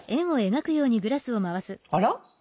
あら？